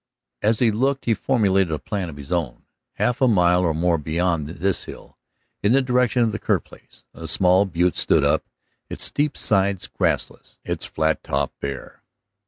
As he looked he formulated a plan of his own. Half a mile or more beyond this hill, in the direction of the Kerr place, a small butte stood, its steep sides grassless, its flat top bare.